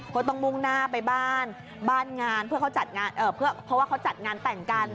ก็ต้องมุ่งหน้าไปบ้านบ้านงานเพื่อเขาจัดงานเพื่อเพราะว่าเขาจัดงานแต่งกัน